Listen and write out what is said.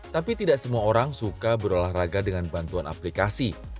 tapi tidak semua orang suka berolahraga dengan bantuan aplikasi